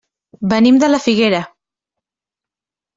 Venim de la Figuera.